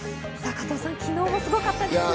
加藤さん、昨日もすごかったですね。